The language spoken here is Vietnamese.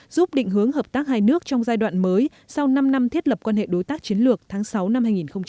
giúp định hướng hợp tác hai nước trong giai đoạn mới sau năm năm thiết lập quan hệ đối tác chiến lược tháng sáu năm hai nghìn hai mươi